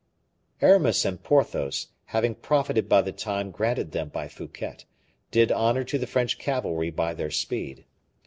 Aramis and Porthos, having profited by the time granted them by Fouquet, did honor to the French cavalry by their speed.